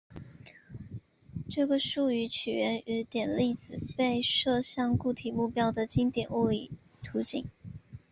这个术语起源于点粒子被射向固体目标的经典物理图景。